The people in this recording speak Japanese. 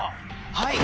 はい！